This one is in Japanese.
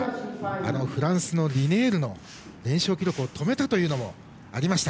あのフランスのリネールの連勝記録を止めたこともありました。